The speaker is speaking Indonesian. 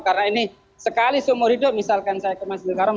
karena ini sekali seumur hidup misalkan saya ke masjidil haram